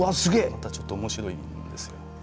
またちょっと面白いんですよ。